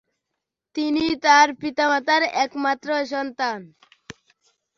তিনি তার পিতামাতার একমাত্র সন্তান।